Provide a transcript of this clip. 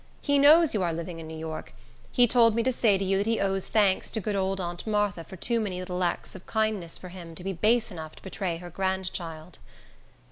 He knows you are living in New York. He told me to say to you that he owes thanks to good old aunt Martha for too many little acts of kindness for him to be base enough to betray her grandchild."